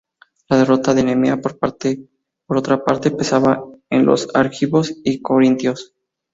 La derrota de Nemea, por otra parte, pesaba en los argivos y corintios.